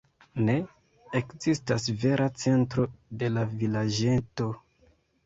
Ne ekzistas vera centro de la vilaĝeto.